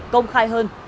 công khai hơn